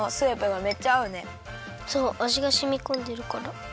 そうあじがしみこんでるから。